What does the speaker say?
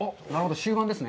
終盤ですね？